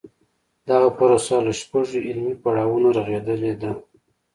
دغه پروسه له شپږو عملي پړاوونو رغېدلې ده.